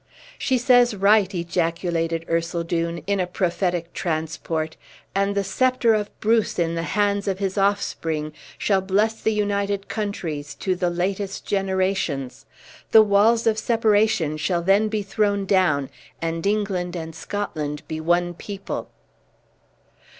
"She says right!" ejaculated Ercildown, in a prophetic transport; "and the scepter of Bruce, in the hands of his offspring, shall bless the united countries to the latest generations! The walls of separation shall then be thrown down, and England and Scotland be one people."